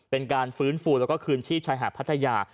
เป็นการฟื้นฟูแล้วก็คืนชีพชายหาดพัทยา